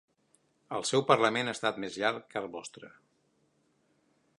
El seu parlament ha estat més llarg que el vostre.